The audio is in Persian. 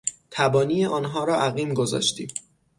تبانی آنها را عقیم گذاشتیم.